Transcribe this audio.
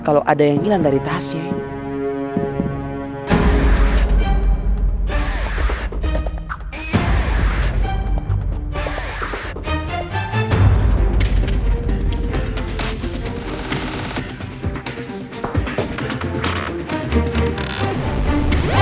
kalau ada yang hilang dari tasnya